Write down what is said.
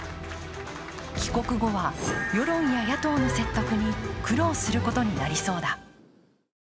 帰国後は、世論や野党の説得に苦労することになりそうだ。